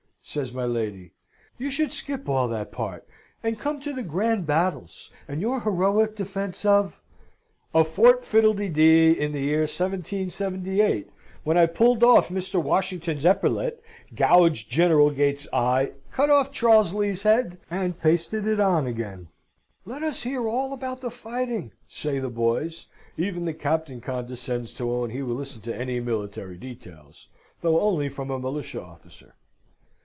says my lady. "You should skip all that part, and come to the grand battles, and your heroic defence of " "Of Fort Fiddlededee in the year 1778, when I pulled off Mr. Washington's epaulet, gouged General Gates's eye, cut off Charles Lee's head, and pasted it on again!" "Let us hear all about the fighting," say the boys. Even the Captain condescends to own he will listen to any military details, though only from a militia officer.